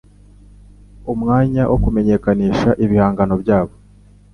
umwanya wo kumenyekanisha ibihangano byabo,